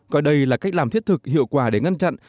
coi đây là cách làm thiết thực hiệu quả để ngăn chặn